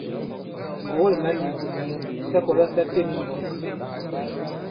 Ŋgògo ì malēm: sa kɔ̀la sa têm i mbɔ̄k.